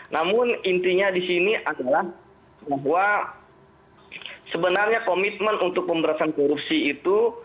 namun intinya di sini adalah bahwa sebenarnya komitmen untuk pemberantasan korupsi itu